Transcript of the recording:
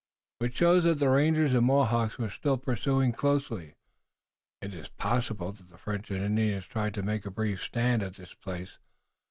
"Which shows that the rangers and Mohawks were still pursuing closely. It is possible that the French and Indians tried to make a brief stand at this place.